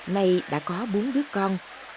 nay đã có bốn đứa con